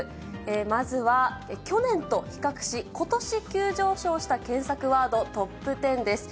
まずは去年と比較し、ことし急上昇した検索ワードトップ１０です。